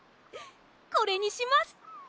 これにします！